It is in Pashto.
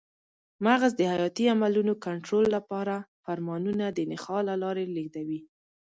مغز د حیاتي عملونو کنټرول لپاره فرمانونه د نخاع له لارې لېږدوي.